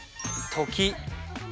「時」。